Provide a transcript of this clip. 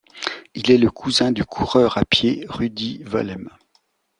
Il est le cousin du coureur à pied Ruddy Walem.